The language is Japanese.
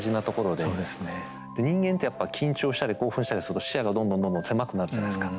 で人間ってやっぱ緊張したり興奮したりすると視野がどんどんどんどん狭くなるじゃないですか。